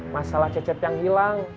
masalah cecep yang hilang